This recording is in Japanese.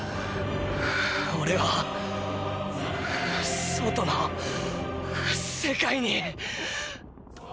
オレは外の世界に。